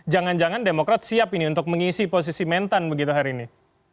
jangan jangan demokrat siap ini untuk mengisi posisi mentan begitu hari ini